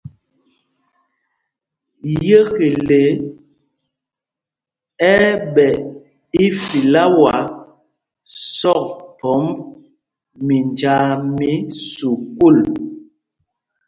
Yekle ɛ́ ɛ́ ɓɛ ifláwa sɔkphɔmb minjāā mí sukûl.